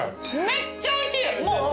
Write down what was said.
めっちゃおいしい！